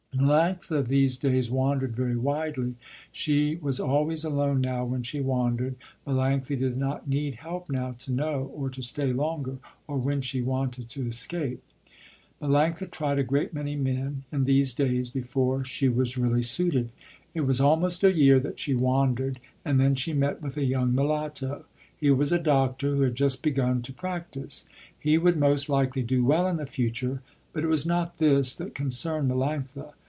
Melanctha these days wandered very widely. She was always alone now when she wandered. Melanctha did not need help now to know, or to stay longer, or when she wanted, to escape. Melanctha tried a great many men, in these days before she was really suited. It was almost a year that she wandered and then she met with a young mulatto. He was a doctor who had just begun to practice. He would most likely do well in the future, but it was not this that concerned Melanctha.